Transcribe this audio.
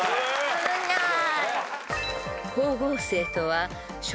危ない。